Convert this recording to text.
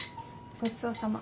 ごちそうさま。